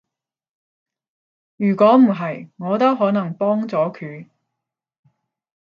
如果唔係，我都可能幫咗佢